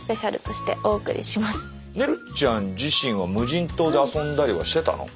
ねるちゃん自身は無人島で遊んだりはしてたの？